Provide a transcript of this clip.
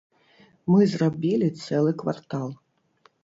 Мы зрабілі цэлы квартал.